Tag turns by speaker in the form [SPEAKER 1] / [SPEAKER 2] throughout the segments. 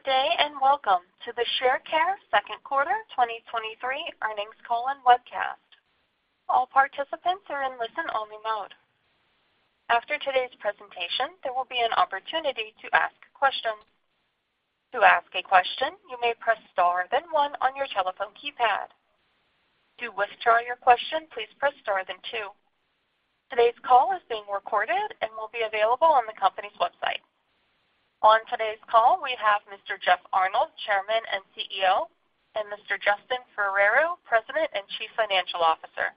[SPEAKER 1] Good day. Welcome to the Sharecare Second Quarter 2023 Earnings Call and Webcast. All participants are in listen-only mode. After today's presentation, there will be an opportunity to ask questions. To ask a question, you may press Star then One on your telephone keypad. To withdraw your question, please press Star then Two. Today's call is being recorded and will be available on the company's website. On today's call, we have Mr. Jeff Arnold, Chairman and CEO, and Mr. Justin Ferrero, President and Chief Financial Officer,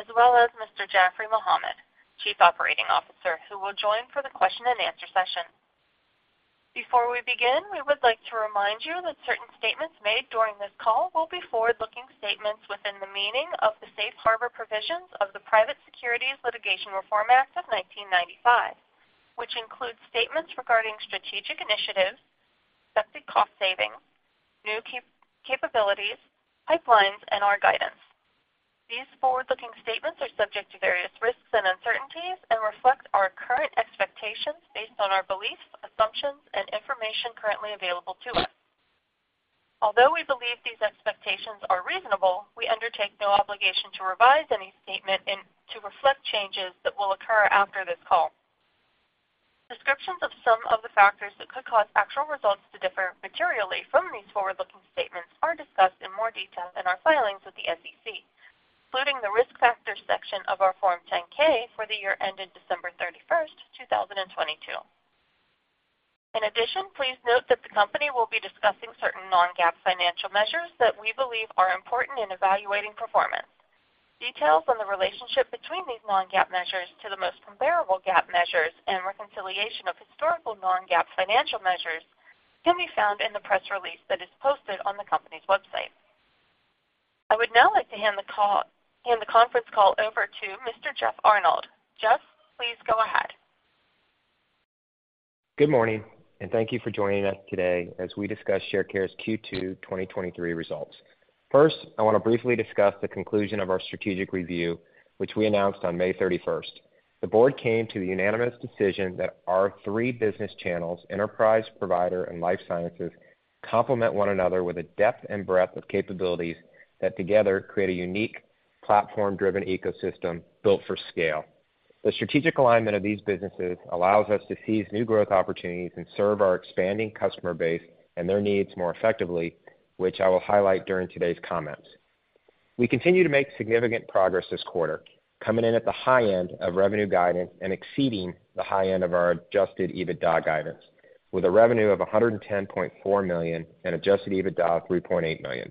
[SPEAKER 1] as well as Mr. Jaffry Mohammed, Chief Operating Officer, who will join for the question and answer session. Before we begin, we would like to remind you that certain statements made during this call will be forward-looking statements within the meaning of the Safe Harbor Provisions of the Private Securities Litigation Reform Act of 1995, which includes statements regarding strategic initiatives, expected cost savings, new capabilities, pipelines, and our guidance. These forward-looking statements are subject to various risks and uncertainties and reflect our current expectations based on our beliefs, assumptions, and information currently available to us. Although we believe these expectations are reasonable, we undertake no obligation to revise any statement and to reflect changes that will occur after this call. Descriptions of some of the factors that could cause actual results to differ materially from these forward-looking statements are discussed in more detail in our filings with the SEC, including the Risk Factors section of our Form 10-K for the year ended December 31, 2022. In addition, please note that the company will be discussing certain non-GAAP financial measures that we believe are important in evaluating performance. Details on the relationship between these non-GAAP measures to the most comparable GAAP measures and reconciliation of historical non-GAAP financial measures can be found in the press release that is posted on the company's website. I would now like to hand the conference call over to Mr. Jeff Arnold. Jeff, please go ahead.
[SPEAKER 2] Good morning, and thank you for joining us today as we discuss Sharecare's Q2 2023 results. First, I want to briefly discuss the conclusion of our strategic review, which we announced on May 31st. The board came to a unanimous decision that our three business channels, enterprise, provider, and life sciences, complement one another with a depth and breadth of capabilities that together create a unique, platform-driven ecosystem built for scale. The strategic alignment of these businesses allows us to seize new growth opportunities and serve our expanding customer base and their needs more effectively, which I will highlight during today's comments. We continue to make significant progress this quarter, coming in at the high end of revenue guidance and exceeding the high end of our Adjusted EBITDA guidance, with a revenue of $110.4 million and Adjusted EBITDA of $3.8 million.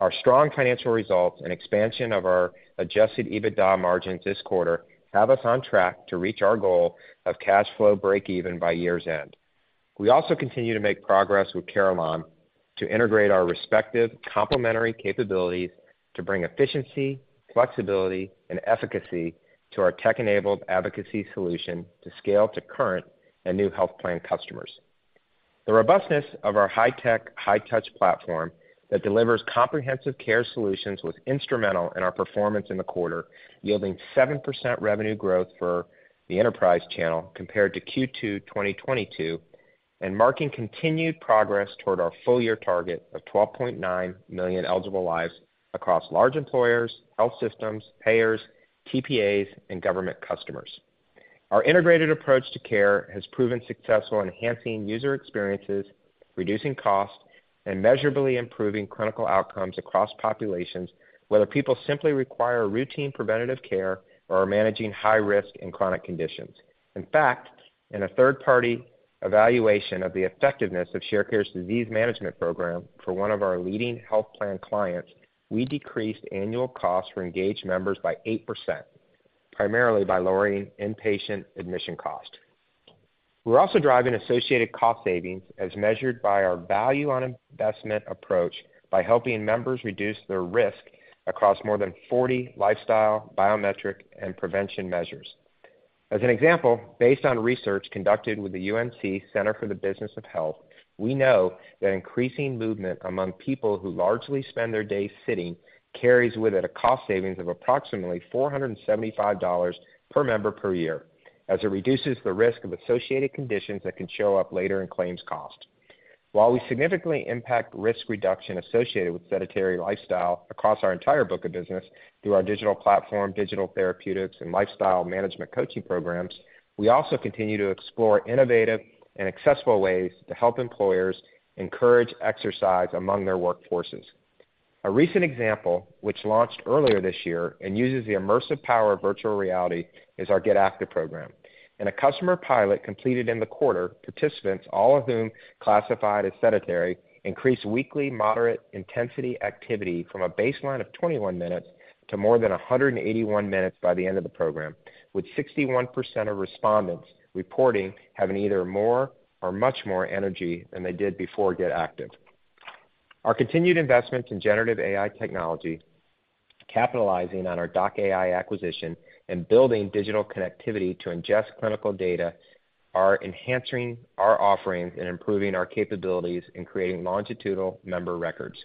[SPEAKER 2] Our strong financial results and expansion of our Adjusted EBITDA margins this quarter have us on track to reach our goal of cash flow breakeven by year's end. We also continue to make progress with Carelon to integrate our respective complementary capabilities to bring efficiency, flexibility, and efficacy to our tech-enabled advocacy solution to scale to current and new health plan customers. The robustness of our high-tech, high-touch platform that delivers comprehensive care solutions was instrumental in our performance in the quarter, yielding 7% revenue growth for the enterprise channel compared to Q2 2022, and marking continued progress toward our full year target of 12.9 million eligible lives across large employers, health systems, payers, TPAs, and government customers. Our integrated approach to care has proven successful, enhancing user experiences, reducing costs, and measurably improving clinical outcomes across populations, whether people simply require routine preventative care or are managing high risk and chronic conditions. In fact, in a third-party evaluation of the effectiveness of Sharecare's disease management program for one of our leading health plan clients, we decreased annual costs for engaged members by 8%, primarily by lowering inpatient admission cost. We're also driving associated cost savings as measured by our value on investment approach by helping members reduce their risk across more than 40 lifestyle, biometric, and prevention measures. As an example, based on research conducted with the UNC Center for the Business of Health, we know that increasing movement among people who largely spend their day sitting carries with it a cost savings of approximately $475 per member, per year, as it reduces the risk of associated conditions that can show up later in claims cost. While we significantly impact risk reduction associated with sedentary lifestyle across our entire book of business through our digital platform, digital therapeutics, and lifestyle management coaching programs, we also continue to explore innovative and accessible ways to help employers encourage exercise among their workforces. A recent example, which launched earlier this year and uses the immersive power of virtual reality, is our Get Active program. In a customer pilot completed in the quarter, participants, all of whom classified as sedentary, increased weekly moderate intensity activity from a baseline of 21 minutes to more than 181 minutes by the end of the program, with 61% of respondents reporting having either more or much more energy than they did before Get Active. Our continued investment in generative AI technology, capitalizing on our doc.ai acquisition and building digital connectivity to ingest clinical data, are enhancing our offerings and improving our capabilities in creating longitudinal member records.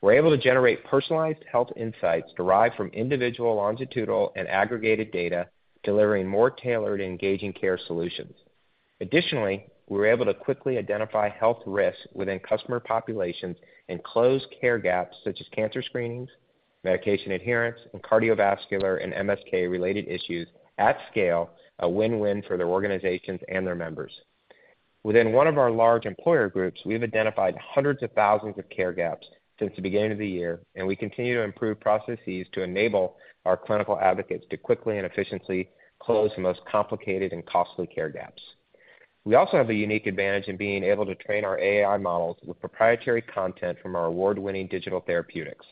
[SPEAKER 2] We're able to generate personalized health insights derived from individual, longitudinal, and aggregated data, delivering more tailored, engaging care solutions. Additionally, we're able to quickly identify health risks within customer populations and close care gaps such as cancer screenings, medication adherence, and cardiovascular and MSK-related issues at scale, a win-win for their organizations and their members. Within one of our large employer groups, we've identified hundreds of thousands of care gaps since the beginning of the year. We continue to improve processes to enable our clinical advocates to quickly and efficiently close the most complicated and costly care gaps. We also have a unique advantage in being able to train our AI models with proprietary content from our award-winning digital therapeutics.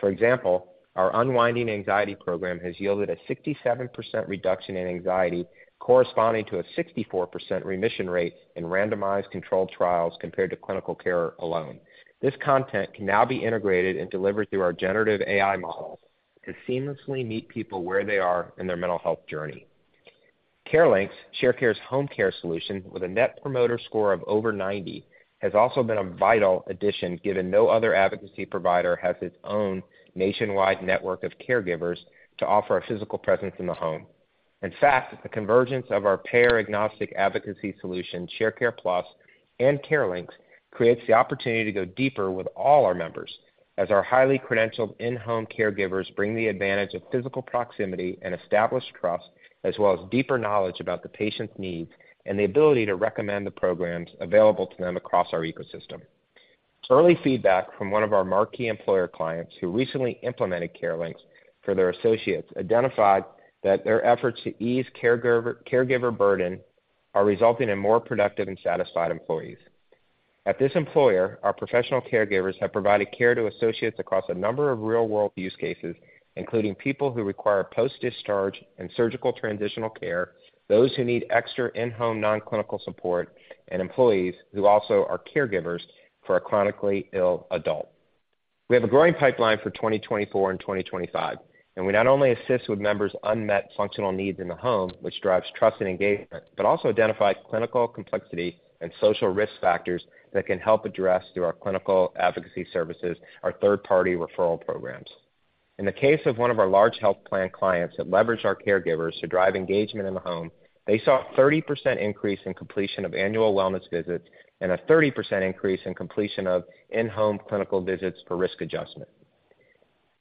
[SPEAKER 2] For example, our Unwinding Anxiety program has yielded a 67% reduction in anxiety, corresponding to a 64% remission rate in randomized controlled trials compared to clinical care alone. This content can now be integrated and delivered through our generative AI models to seamlessly meet people where they are in their mental health journey. CareLinx, Sharecare's home care solution, with a Net Promoter Score of over 90, has also been a vital addition, given no other advocacy provider has its own nationwide network of caregivers to offer a physical presence in the home. In fact, the convergence of our payer-agnostic advocacy solution, Sharecare+ and CareLinx, creates the opportunity to go deeper with all our members, as our highly credentialed in-home caregivers bring the advantage of physical proximity and established trust, as well as deeper knowledge about the patient's needs and the ability to recommend the programs available to them across our ecosystem. Early feedback from one of our marquee employer clients who recently implemented CareLinx for their associates identified that their efforts to ease caregiver burden are resulting in more productive and satisfied employees. At this employer, our professional caregivers have provided care to associates across a number of real-world use cases, including people who require post-discharge and surgical transitional care, those who need extra in-home nonclinical support, and employees who also are caregivers for a chronically ill adult. We have a growing pipeline for 2024 and 2025. We not only assist with members' unmet functional needs in the home, which drives trust and engagement, but also identify clinical complexity and social risk factors that can help address, through our clinical advocacy services, our third-party referral programs. In the case of one of our large health plan clients that leveraged our caregivers to drive engagement in the home, they saw a 30% increase in completion of annual wellness visits and a 30% increase in completion of in-home clinical visits for risk adjustment.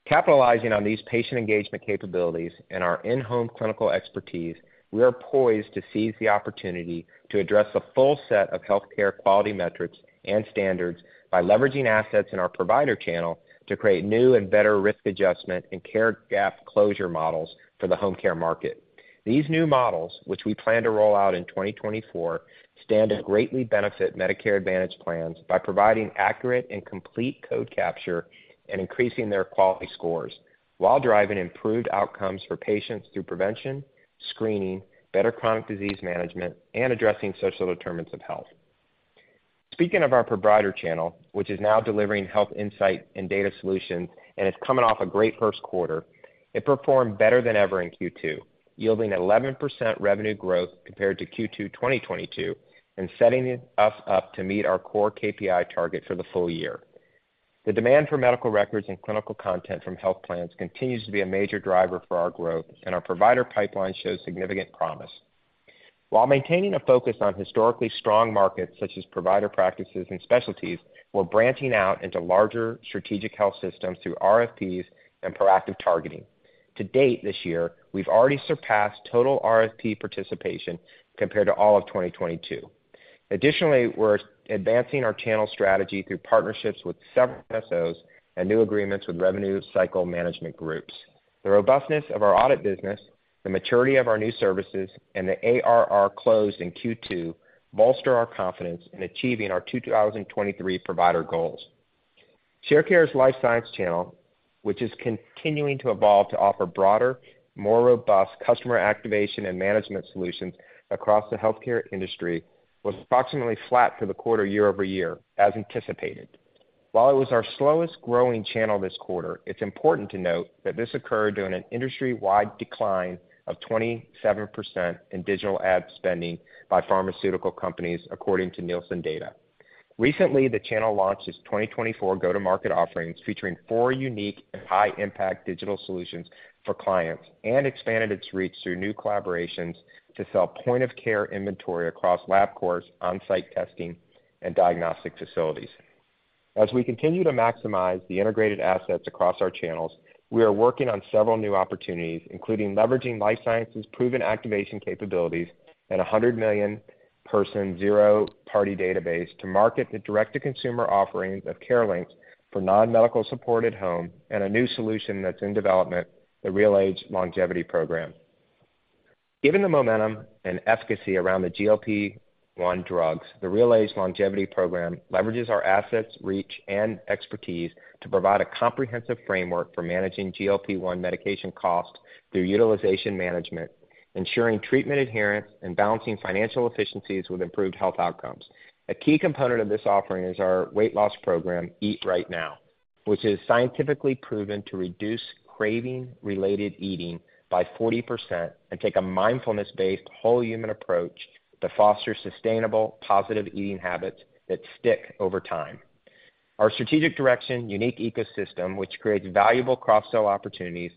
[SPEAKER 2] Capitalizing on these patient engagement capabilities and our in-home clinical expertise, we are poised to seize the opportunity to address the full set of healthcare quality metrics and standards by leveraging assets in our provider channel to create new and better risk adjustment and care gap closure models for the home care market. These new models, which we plan to roll out in 2024, stand to greatly benefit Medicare Advantage plans by providing accurate and complete code capture and increasing their quality scores while driving improved outcomes for patients through prevention, screening, better chronic disease management, and addressing social determinants of health. Speaking of our provider channel, which is now delivering health insight and data solutions and is coming off a great first quarter, it performed better than ever in Q2, yielding 11% revenue growth compared to Q2 2022, and setting us up to meet our core KPI target for the full year. The demand for medical records and clinical content from health plans continues to be a major driver for our growth, and our provider pipeline shows significant promise. While maintaining a focus on historically strong markets, such as provider practices and specialties, we're branching out into larger strategic health systems through RFPs and proactive targeting. To date, this year, we've already surpassed total RFP participation compared to all of 2022. We're advancing our channel strategy through partnerships with several MSOs and new agreements with revenue cycle management groups. The robustness of our audit business, the maturity of our new services, and the ARR closed in Q2 bolster our confidence in achieving our 2023 provider goals. Sharecare's life science channel, which is continuing to evolve to offer broader, more robust customer activation and management solutions across the healthcare industry, was approximately flat for the quarter year-over-year, as anticipated. While it was our slowest growing channel this quarter, it's important to note that this occurred during an industry-wide decline of 27% in digital ad spending by pharmaceutical companies, according to Nielsen data. Recently, the channel launched its 2024 go-to-market offerings, featuring four unique and high-impact digital solutions for clients and expanded its reach through new collaborations to sell point-of-care inventory across Labcorp's on-site testing and diagnostic facilities. As we continue to maximize the integrated assets across our channels, we are working on several new opportunities, including leveraging Life Sciences' proven activation capabilities and a 100 million person zero-party database to market the direct-to-consumer offerings of CareLinx for non-medical support at home, and a new solution that's in development, the RealAge Longevity Program. Given the momentum and efficacy around the GLP-1 drugs, the RealAge Longevity Program leverages our assets, reach, and expertise to provide a comprehensive framework for managing GLP-1 medication costs through utilization management, ensuring treatment adherence and balancing financial efficiencies with improved health outcomes. A key component of this offering is our weight loss program, Eat Right Now... which is scientifically proven to reduce craving-related eating by 40% and take a mindfulness-based whole human approach to foster sustainable, positive eating habits that stick over time. Our strategic direction, unique ecosystem, which creates valuable cross-sell opportunities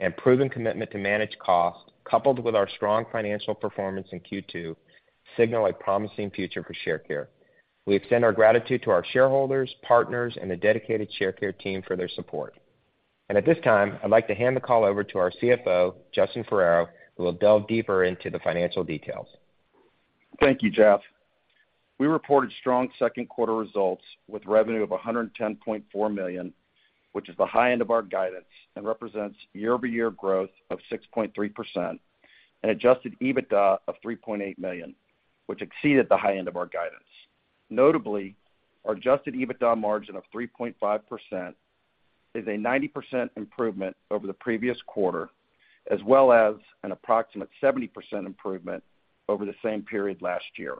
[SPEAKER 2] and proven commitment to manage costs, coupled with our strong financial performance in Q2, signal a promising future for Sharecare. We extend our gratitude to our shareholders, partners, and the dedicated Sharecare team for their support. At this time, I'd like to hand the call over to our CFO, Justin Ferrero, who will delve deeper into the financial details.
[SPEAKER 3] Thank you, Jeff. We reported strong second quarter results with revenue of $110.4 million, which is the high end of our guidance and represents year-over-year growth of 6.3% and Adjusted EBITDA of $3.8 million, which exceeded the high end of our guidance. Notably, our Adjusted EBITDA margin of 3.5% is a 90% improvement over the previous quarter, as well as an approximate 70% improvement over the same period last year.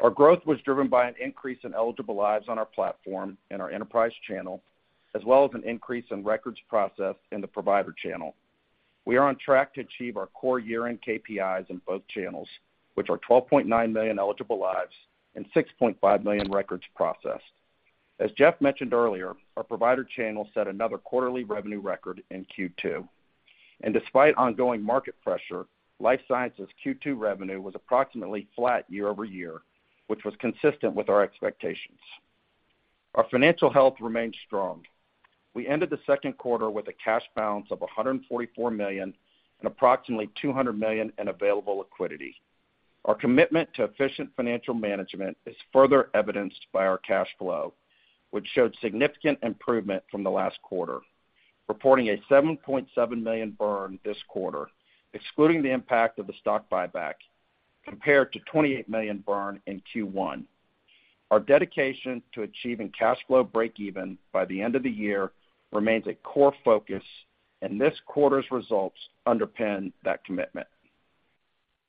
[SPEAKER 3] Our growth was driven by an increase in eligible lives on our platform and our enterprise channel, as well as an increase in records processed in the provider channel. We are on track to achieve our core year-end KPIs in both channels, which are 12.9 million eligible lives and 6.5 million records processed. As Jeff mentioned earlier, our provider channel set another quarterly revenue record in Q2. Despite ongoing market pressure, Life Sciences Q2 revenue was approximately flat year-over-year, which was consistent with our expectations. Our financial health remains strong. We ended the second quarter with a cash balance of $144 million and approximately $200 million in available liquidity. Our commitment to efficient financial management is further evidenced by our cash flow, which showed significant improvement from the last quarter, reporting a $7.7 million burn this quarter, excluding the impact of the stock buyback, compared to $28 million burn in Q1. Our dedication to achieving cash flow breakeven by the end of the year remains a core focus. This quarter's results underpin that commitment.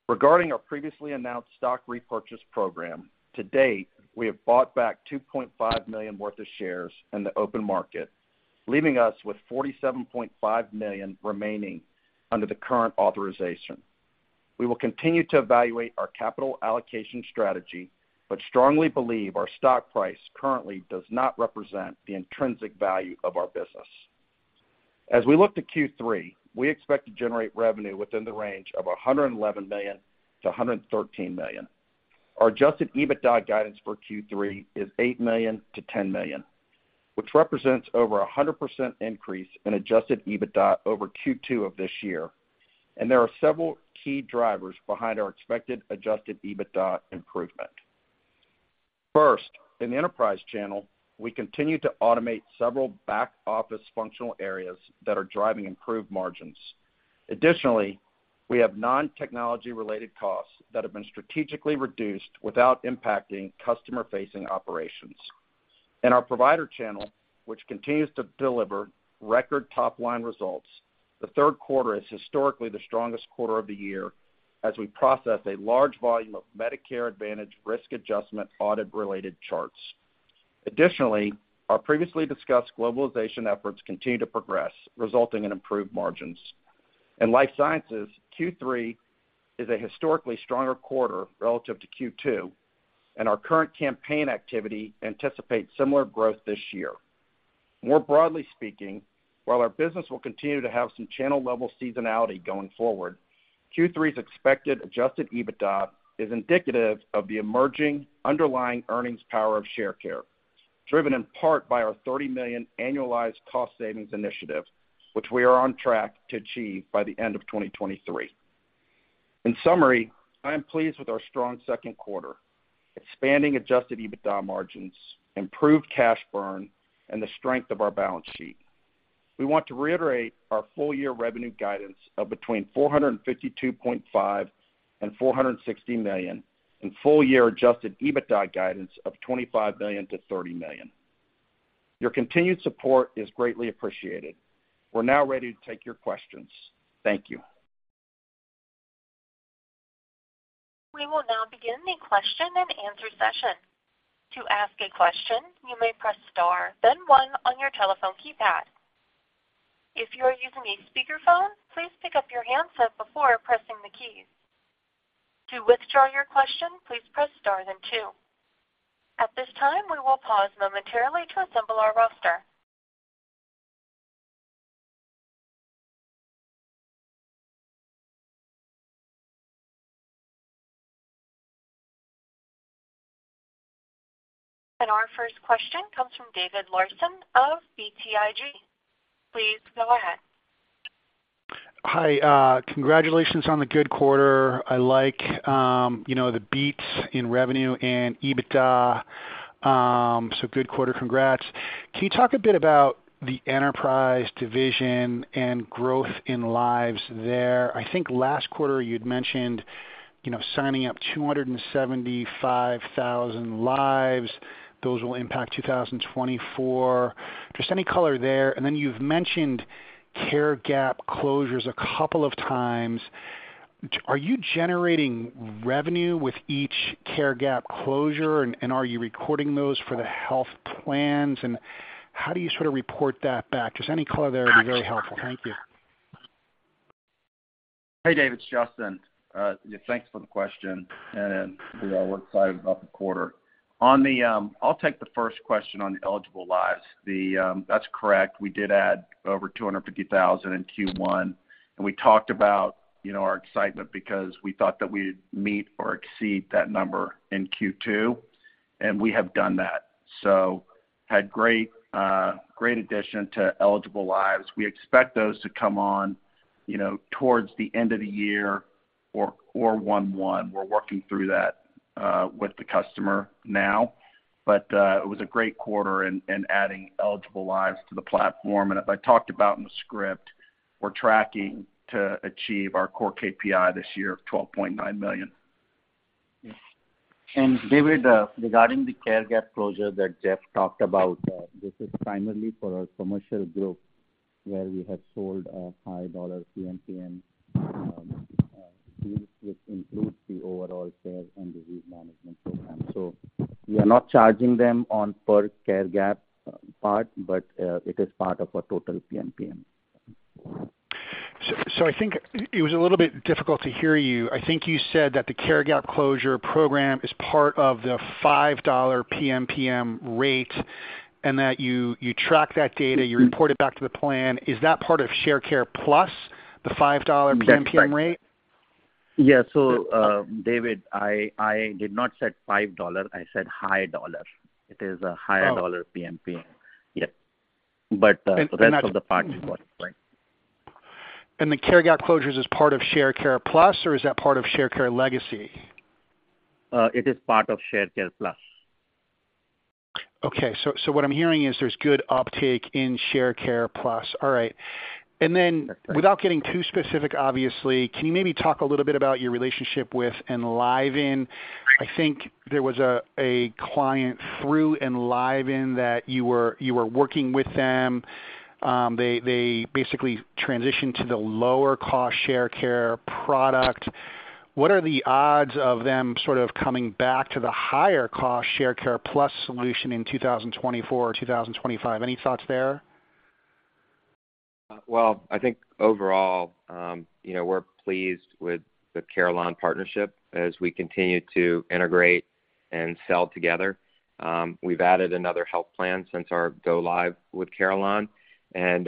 [SPEAKER 3] Regarding our previously announced stock repurchase program, to date, we have bought back $2.5 million worth of shares in the open market, leaving us with $47.5 million remaining under the current authorization. We will continue to evaluate our capital allocation strategy, but strongly believe our stock price currently does not represent the intrinsic value of our business. As we look to Q3, we expect to generate revenue within the range of $111 million-$113 million. Our Adjusted EBITDA guidance for Q3 is $8 million-$10 million, which represents over a 100% increase in Adjusted EBITDA over Q2 of this year, and there are several key drivers behind our expected Adjusted EBITDA improvement. First, in the enterprise channel, we continue to automate several back-office functional areas that are driving improved margins. Additionally, we have non-technology related costs that have been strategically reduced without impacting customer-facing operations. In our provider channel, which continues to deliver record top-line results, the third quarter is historically the strongest quarter of the year as we process a large volume of Medicare Advantage risk adjustment audit-related charts. Additionally, our previously discussed globalization efforts continue to progress, resulting in improved margins. In Life Sciences, Q3 is a historically stronger quarter relative to Q2, and our current campaign activity anticipates similar growth this year. More broadly speaking, while our business will continue to have some channel-level seasonality going forward, Q3's expected Adjusted EBITDA is indicative of the emerging underlying earnings power of Sharecare, driven in part by our $30 million annualized cost savings initiative, which we are on track to achieve by the end of 2023. In summary, I am pleased with our strong second quarter, expanding Adjusted EBITDA margins, improved cash burn, and the strength of our balance sheet. We want to reiterate our full-year revenue guidance of between $452.5 million and $460 million, and full-year Adjusted EBITDA guidance of $25 million-$30 million. Your continued support is greatly appreciated. We're now ready to take your questions. Thank you.
[SPEAKER 1] We will now begin the question and answer session. To ask a question, you may press star, then 1 on your telephone keypad. If you are using a speakerphone, please pick up your handset before pressing the keys. To withdraw your question, please press star then 2. At this time, we will pause momentarily to assemble our roster. Our first question comes from David Larsen of BTIG. Please go ahead.
[SPEAKER 4] Hi, congratulations on the good quarter. I like, you know, the beats in revenue and EBITDA. So good quarter. Congrats. Can you talk a bit about the enterprise division and growth in lives there? I think last quarter you'd mentioned, you know, signing up 275,000 lives. Those will impact 2024. Just any color there. Then you've mentioned care gap closures a couple of times. Are you generating revenue with each care gap closure, and are you recording those for the health plans? How do you sort of report that back? Just any color there would be very helpful. Thank you.
[SPEAKER 3] Hey, David, it's Justin. Yeah, thanks for the question. We are excited about the quarter. On the, I'll take the first question on eligible lives. The, that's correct, we did add over 250,000 in Q1. We talked about, you know, our excitement because we thought that we'd meet or exceed that number in Q2. We have done that. Had great, great addition to eligible lives. We expect those to come on, you know, towards the end of the year or, or one-one. We're working through that with the customer now. It was a great quarter in, in adding eligible lives to the platform. As I talked about in the script, we're tracking to achieve our core KPI this year of 12.9 million.
[SPEAKER 5] David, regarding the care gap closure that Jeff talked about, this is primarily for our commercial group, where we have sold a high dollar PMPM, which includes the overall care and disease management program. We are not charging them on per care gap part, but it is part of our total PMPM.
[SPEAKER 4] I think it was a little bit difficult to hear you. I think you said that the care gap closure program is part of the $5 PMPM rate, and that you, you track that data, you report it back to the plan. Is that part of Sharecare+, the $5 PMPM rate?
[SPEAKER 5] Yeah. David, I, I did not say $5, I said high dollar. It is a higher dollar-
[SPEAKER 4] Oh.
[SPEAKER 5] PMPM. Yes. The rest of the part is what? Right.
[SPEAKER 4] The care gap closures is part of Sharecare+, or is that part of Sharecare Legacy?
[SPEAKER 5] It is part of Sharecare+.
[SPEAKER 4] what I'm hearing is there's good uptake in Sharecare+. All right. then-
[SPEAKER 5] That's right.
[SPEAKER 4] without getting too specific, obviously, can you maybe talk a little bit about your relationship with Enliven? I think there was a client through Enliven that you were working with them. They, they basically transitioned to the lower cost Sharecare product. What are the odds of them sort of coming back to the higher cost Sharecare+ solution in 2024 or 2025? Any thoughts there?
[SPEAKER 2] Well, I think overall, you know, we're pleased with the Carelon partnership as we continue to integrate and sell together. We've added another health plan since our go live with Carelon, and,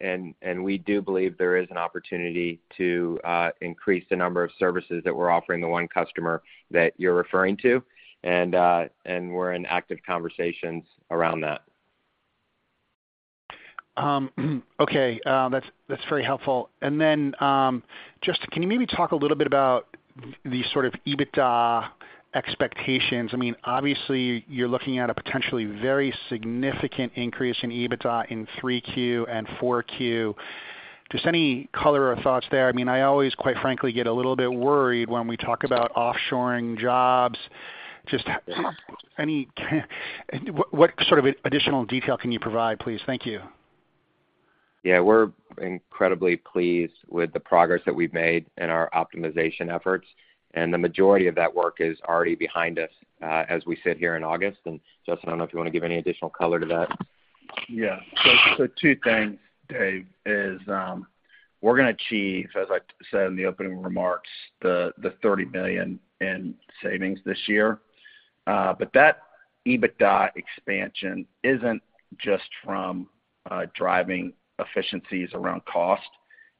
[SPEAKER 2] and, and we do believe there is an opportunity to increase the number of services that we're offering the 1 customer that you're referring to. We're in active conversations around that.
[SPEAKER 4] Okay, that's, that's very helpful. Then, just, can you maybe talk a little bit about the sort of EBITDA expectations? I mean, obviously, you're looking at a potentially very significant increase in EBITDA in 3Q and 4Q. Just any color or thoughts there? I mean, I always, quite frankly, get a little bit worried when we talk about offshoring jobs. Just any, what, what sort of additional detail can you provide, please? Thank you.
[SPEAKER 2] Yeah, we're incredibly pleased with the progress that we've made in our optimization efforts, and the majority of that work is already behind us, as we sit here in August. Justin, I don't know if you want to give any additional color to that.
[SPEAKER 3] Yeah. Two things, David, is we're gonna achieve, as I said in the opening remarks, the $30 million in savings this year. That EBITDA expansion isn't just from driving efficiencies around cost.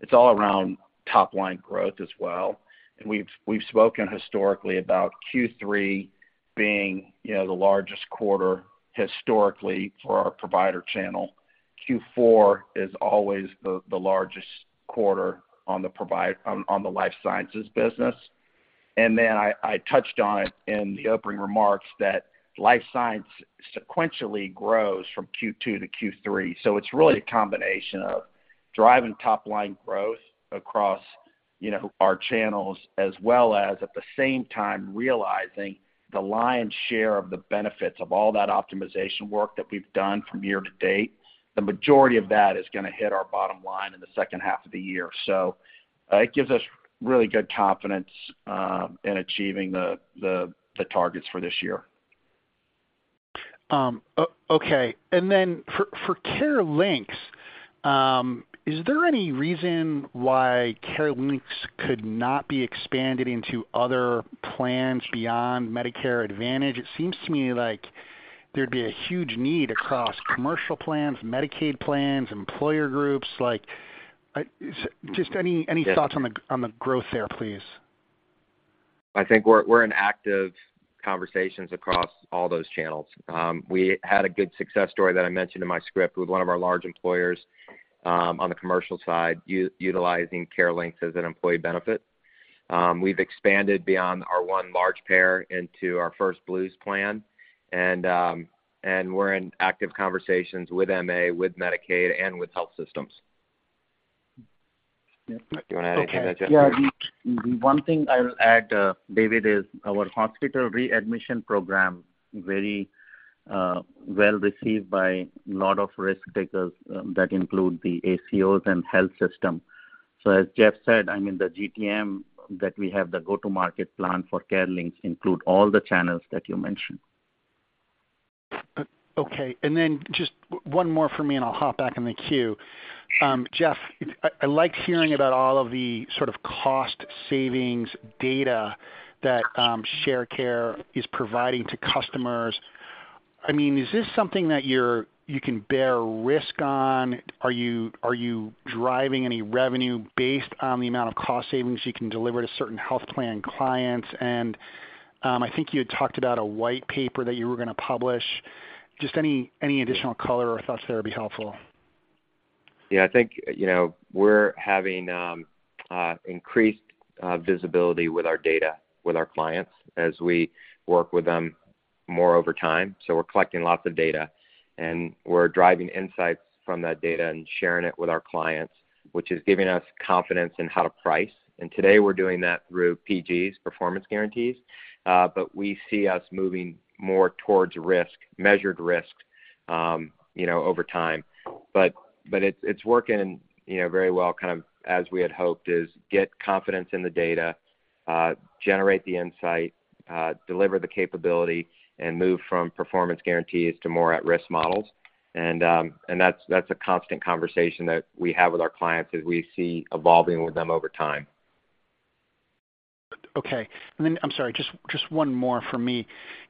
[SPEAKER 3] It's all around top-line growth as well. We've, we've spoken historically about Q3 being, you know, the largest quarter historically for our provider channel. Q4 is always the largest quarter on the life sciences business. I, I touched on it in the opening remarks, that life science sequentially grows from Q2 to Q3. It's really a combination of driving top-line growth across, you know, our channels, as well as, at the same time, realizing the lion's share of the benefits of all that optimization work that we've done from year to date. The majority of that is gonna hit our bottom line in the second half of the year. It gives us really good confidence in achieving the, the, the targets for this year.
[SPEAKER 4] Okay. Then for, for CareLinx, is there any reason why CareLinx could not be expanded into other plans beyond Medicare Advantage? It seems to me like there'd be a huge need across commercial plans, Medicaid plans, employer groups. Just any, any thoughts on the, on the growth there, please?
[SPEAKER 2] I think we're, we're in active conversations across all those channels. We had a good success story that I mentioned in my script with one of our large employers on the commercial side utilizing CareLinx as an employee benefit. We've expanded beyond our one large payer into our first Blues plan, and we're in active conversations with MA, with Medicaid, and with health systems. Do you want to add anything to that, Justin?
[SPEAKER 3] Yeah. The one thing I'll add, David, is our hospital readmission program, very well received by a lot of risk takers, that include the ACOs and health system. As Jeff said, I mean, the GTM that we have, the go-to-market plan for CareLinx, include all the channels that you mentioned.
[SPEAKER 4] Okay, then just one more for me, and I'll hop back in the queue. Jeff, I, I like hearing about all of the sort of cost savings data that Sharecare is providing to customers. I mean, is this something that you're, you can bear risk on? Are you, are you driving any revenue based on the amount of cost savings you can deliver to certain health plan clients? I think you had talked about a white paper that you were gonna publish. Just any, any additional color or thoughts there would be helpful.
[SPEAKER 2] Yeah, I think, you know, we're having increased visibility with our data, with our clients as we work with them more over time. We're collecting lots of data, and we're driving insights from that data and sharing it with our clients, which is giving us confidence in how to price. Today we're doing that through PGs, Performance Guarantees, but we see us moving more towards risk, measured risk, you know, over time. It's, it's working, you know, very well, kind of as we had hoped, is get confidence in the data, generate the insight, deliver the capability, and move from Performance Guarantees to more at-risk models. That's, that's a constant conversation that we have with our clients as we see evolving with them over time.
[SPEAKER 4] Okay. Then, I'm sorry, just, just one more for me.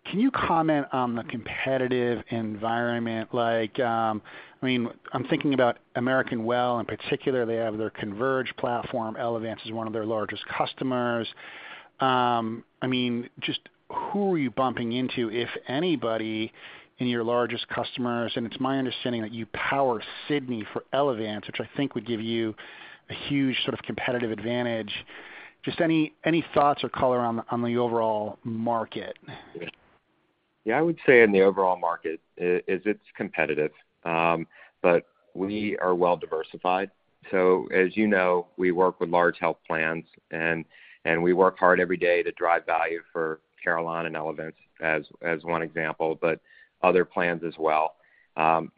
[SPEAKER 4] Can you comment on the competitive environment? Like, I mean, I'm thinking about American Well, in particular, they have their Converge platform. Elevance is one of their largest customers. I mean, just who are you bumping into, if anybody, in your largest customers? It's my understanding that you power Sydney for Elevance, which I think would give you a huge sort of competitive advantage. Just any, any thoughts or color on, on the overall market?
[SPEAKER 2] Yeah, I would say in the overall market, it's competitive, we are well diversified. As you know, we work with large health plans, and we work hard every day to drive value for Carelon and Elevance, as one example, but other plans as well.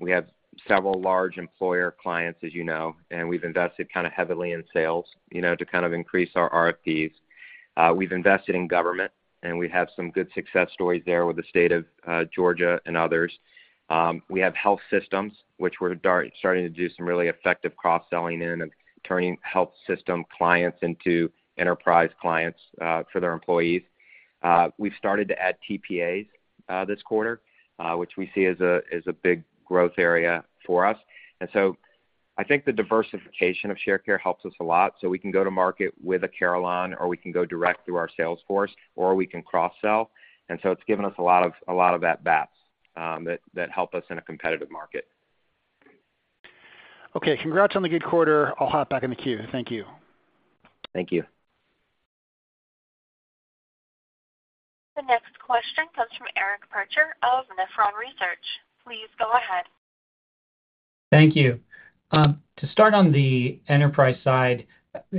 [SPEAKER 2] We have several large employer clients, as you know, and we've invested kind of heavily in sales, you know, to kind of increase our RFPs. We've invested in government, and we have some good success stories there with the state of Georgia and others. We have health systems, which we're starting to do some really effective cross-selling in and turning health system clients into enterprise clients for their employees. We've started to add TPAs this quarter, which we see as a big growth area for us. I think the diversification of Sharecare helps us a lot. We can go to market with a Carelon, or we can go direct through our sales force, or we can cross-sell, it's given us a lot of, a lot of at-bats, that, that help us in a competitive market.
[SPEAKER 4] Okay, congrats on the good quarter. I'll hop back in the queue. Thank you.
[SPEAKER 2] Thank you.
[SPEAKER 1] The next question comes from Eric Percher of Nephron Research. Please go ahead.
[SPEAKER 6] Thank you. To start on the enterprise side,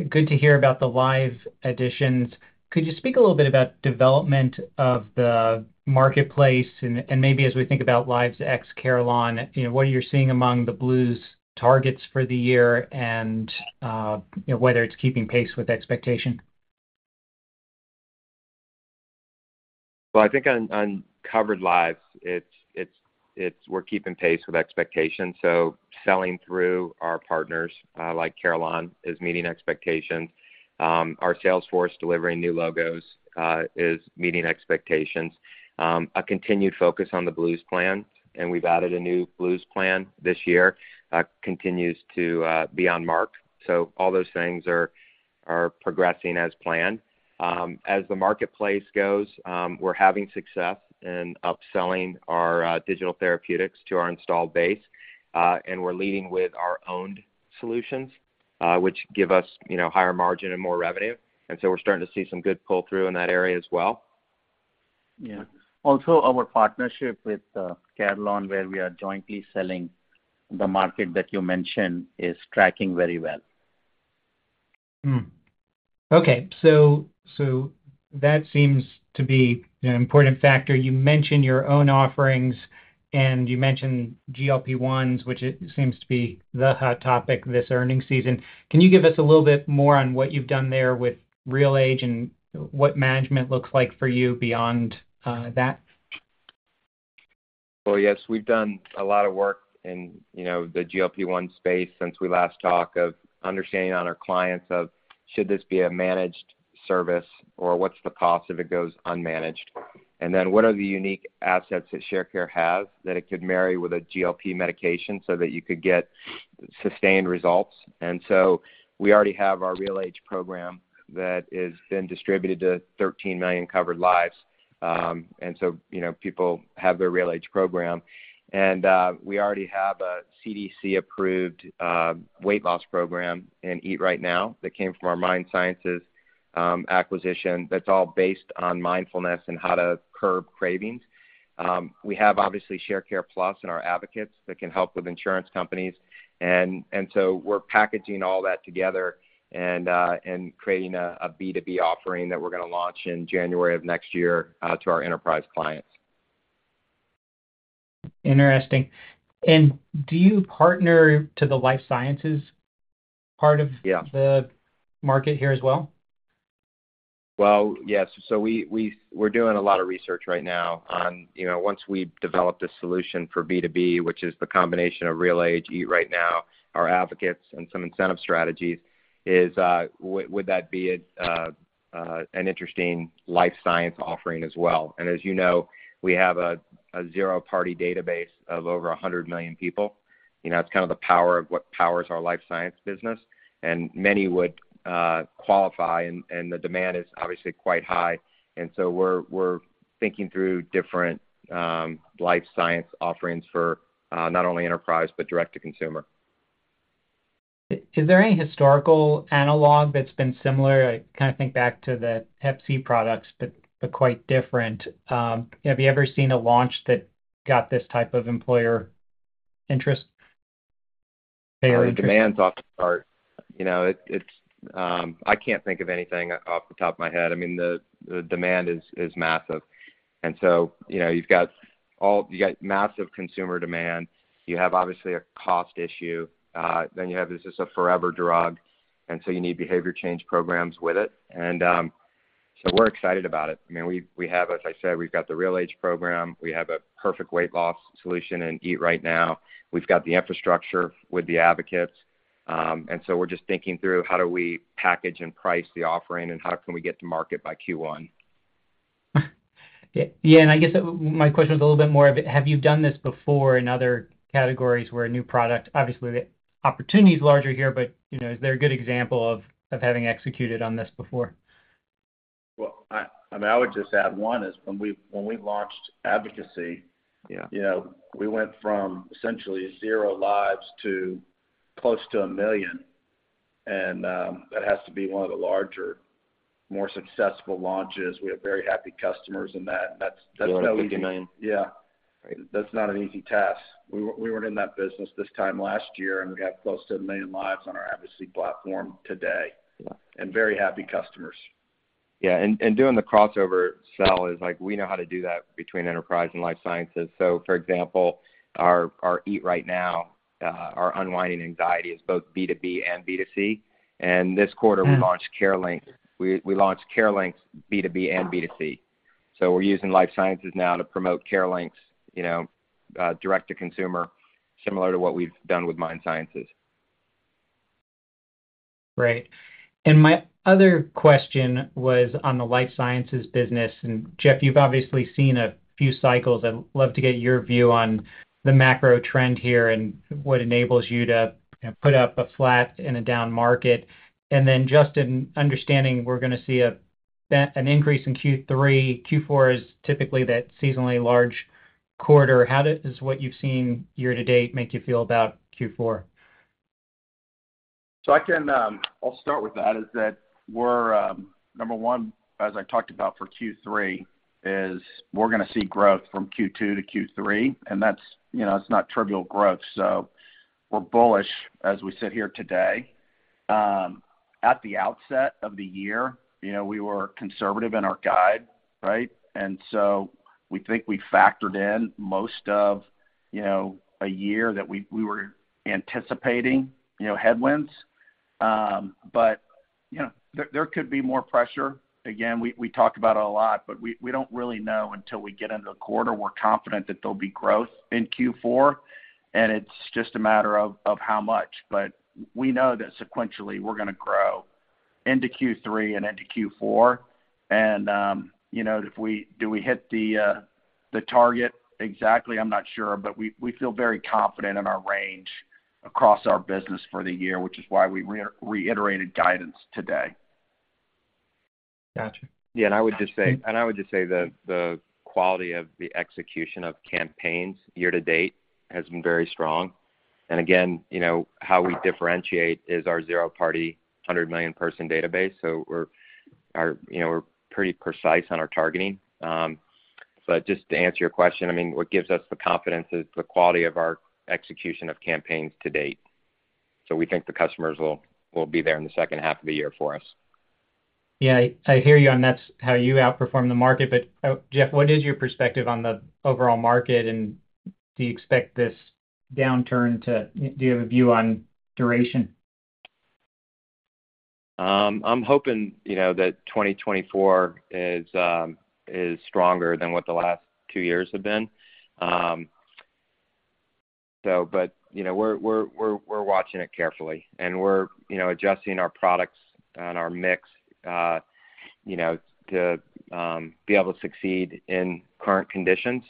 [SPEAKER 6] good to hear about the live additions. Could you speak a little bit about development of the marketplace and, maybe as we think about lives ex Carelon, you know, what are you seeing among the Blues targets for the year and, you know, whether it's keeping pace with expectation?
[SPEAKER 2] Well, I think on, on covered lives, it's, it's, it's we're keeping pace with expectations, so selling through our partners, like Carelon, is meeting expectations. Our sales force delivering new logos, is meeting expectations. A continued focus on the Blues plan, and we've added a new Blues plan this year, continues to be on mark. All those things are, are progressing as planned. As the marketplace goes, we're having success in upselling our digital therapeutics to our installed base, and we're leading with our own solutions, which give us, you know, higher margin and more revenue, and so we're starting to see some good pull-through in that area as well.
[SPEAKER 5] Yeah. Also, our partnership with Carelon, where we are jointly selling the market that you mentioned, is tracking very well.
[SPEAKER 6] Hmm. Okay, that seems to be an important factor. You mentioned your own offerings, and you mentioned GLP-1s, which it seems to be the hot topic this earnings season. Can you give us a little bit more on what you've done there with RealAge and what management looks like for you beyond that?
[SPEAKER 2] Well, yes, we've done a lot of work in, you know, the GLP-1 space since we last talked, of understanding on our clients of should this be a managed service or what's the cost if it goes unmanaged? Then, what are the unique assets that Sharecare has that it could marry with a GLP medication so that you could get sustained results? So we already have our RealAge program that is been distributed to 13 million covered lives. So, you know, people have their RealAge program. We already have a CDC-approved, weight loss program in Eat Right Now that came from our MindSciences acquisition, that's all based on mindfulness and how to curb cravings. We have, obviously, Sharecare+ and our advocates that can help with insurance companies. So we're packaging all that together and creating a B2B offering that we're gonna launch in January of next year to our enterprise clients.
[SPEAKER 6] Interesting. Do you partner to the life sciences part of-
[SPEAKER 2] Yeah
[SPEAKER 6] the market here as well?
[SPEAKER 2] Well, yes. We're doing a lot of research right now on, you know, once we've developed a solution for B2B, which is the combination of RealAge, Eat Right Now, our advocates, and some incentive strategies, is, would that be an interesting life science offering as well? As you know, we have a zero-party database of over 100 million people. You know, that's kind of the power of what powers our life science business, and many would qualify, and the demand is obviously quite high. We're thinking through different life science offerings for not only enterprise but direct to consumer.
[SPEAKER 6] Is there any historical analog that's been similar? I kind of think back to the Pepsi products, but, but quite different. Have you ever seen a launch that got this type of employer interest? Very interesting.
[SPEAKER 2] The demand's off the chart. You know, it, it's, I can't think of anything off the top of my head. I mean, the, the demand is, is massive. So, you know, you've got massive consumer demand. You have obviously a cost issue. You have, this is a forever drug, and so you need behavior change programs with it. So, we're excited about it. I mean, we, we have, as I said, we've got the RealAge program. We have a perfect weight loss solution in Eat Right Now. We've got the infrastructure with the advocates. So we're just thinking through how do we package and price the offering and how can we get to market by Q1.
[SPEAKER 6] Yeah, I guess my question was a little bit more of, have you done this before in other categories where a new product, obviously, the opportunity is larger here, but, you know, is there a good example of, of having executed on this before?
[SPEAKER 2] Well, I mean, I would just add one, is when we launched advocacy- Yeah. You know, we went from essentially 0 lives to close to 1 million, and that has to be one of the larger, more successful launches. We have very happy customers in that. That's, that's no easy- $50 million. Yeah. Right.
[SPEAKER 5] That's not an easy task. We, we weren't in that business this time last year. We got close to 1 million lives on our advocacy platform today.
[SPEAKER 2] Yeah.
[SPEAKER 3] Very happy customers.
[SPEAKER 2] Yeah, and doing the crossover sell is like, we know how to do that between enterprise and life sciences. For example, our Eat Right Now, our Unwinding Anxiety is both B2B and B2C, and this quarter-
[SPEAKER 6] Hmm
[SPEAKER 2] we launched CareLinx. We, we launched CareLinx B2B and B2C. We're using life sciences now to promote CareLinx, you know, direct to consumer, similar to what we've done with MindSciences.
[SPEAKER 6] Great. My other question was on the life sciences business. Jeff, you've obviously seen a few cycles. I'd love to get your view on the macro trend here and what enables you to, you know, put up a flat in a down market. Then, Justin, understanding we're gonna see an increase in Q3. Q4 is typically that seasonally large quarter. How does what you've seen year to date make you feel about Q4?
[SPEAKER 2] I can, I'll start with that, is that we're, number 1, as I talked about for Q3, is we're gonna see growth from Q2 to Q3, and that's, you know, it's not trivial growth, so we're bullish as we sit here today. At the outset of the year, you know, we were conservative in our guide, right? We think we factored in most of, you know, a year that we, we were anticipating, you know, headwinds. You know, there, there could be more pressure. Again, we, we talked about it a lot, but we, we don't really know until we get into the quarter. We're confident that there'll be growth in Q4, and it's just a matter of, of how much. We know that sequentially we're gonna grow into Q3 and into Q4. You know, if we-- do we hit the target? Exactly, I'm not sure, but we, we feel very confident in our range across our business for the year, which is why we reiterated guidance today.
[SPEAKER 6] Gotcha.
[SPEAKER 2] Yeah, I would just say, and I would just say that the quality of the execution of campaigns year to date has been very strong. Again, you know, how we differentiate is our zero-party, 100 million person database, so we're, our, you know, we're pretty precise on our targeting. Just to answer your question, I mean, what gives us the confidence is the quality of our execution of campaigns to date. We think the customers will, will be there in the second half of the year for us.
[SPEAKER 6] Yeah, I, I hear you on that's how you outperform the market. Jeff, what is your perspective on the overall market, and do you expect this downturn to? Do you have a view on duration?
[SPEAKER 2] I'm hoping, you know, that 2024 is stronger than what the last two years have been. But, you know, we're, we're, we're, we're watching it carefully, and we're, you know, adjusting our products and our mix, you know, to be able to succeed in current conditions.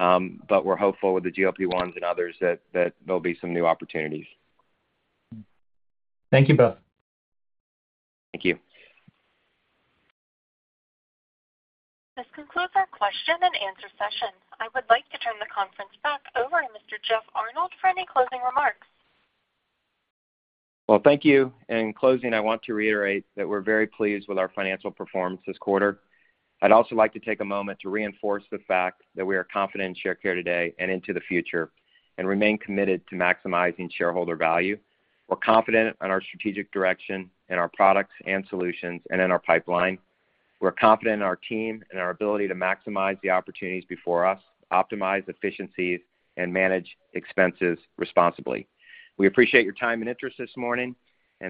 [SPEAKER 2] We're hopeful with the GLP-1s and others, that, that there'll be some new opportunities.
[SPEAKER 6] Thank you both.
[SPEAKER 2] Thank you.
[SPEAKER 1] This concludes our question and answer session. I would like to turn the conference back over to Mr. Jeff Arnold for any closing remarks.
[SPEAKER 2] Well, thank you. In closing, I want to reiterate that we're very pleased with our financial performance this quarter. I'd also like to take a moment to reinforce the fact that we are confident in Sharecare today and into the future, remain committed to maximizing shareholder value. We're confident in our strategic direction and our products and solutions and in our pipeline. We're confident in our team and our ability to maximize the opportunities before us, optimize efficiencies, and manage expenses responsibly. We appreciate your time and interest this morning,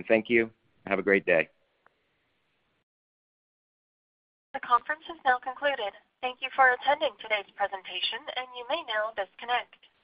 [SPEAKER 2] thank you. Have a great day.
[SPEAKER 1] The conference is now concluded. Thank you for attending today's presentation, and you may now disconnect.